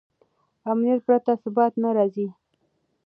امنیت پرته ثبات نه راځي.